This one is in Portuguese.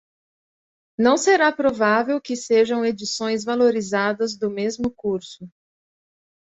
Não será provável que sejam edições valorizadas do mesmo curso.